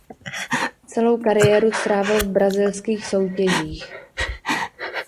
Celou kariéru strávil v brazilských soutěžích.